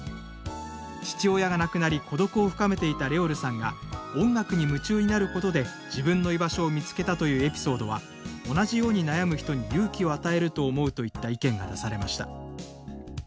「父親が亡くなり孤独を深めていたＲｅｏｌさんが音楽に夢中になることで自分の居場所を見つけたというエピソードは同じように悩む人に勇気を与えると思う」といった意見が出されました。